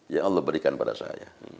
ya allah berikan pada saya